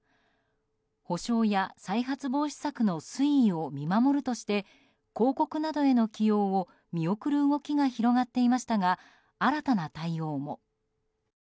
補償や再発防止策の推移を見守るとして広告などへの起用を見送る動きが広がっていましたが新たな対応も。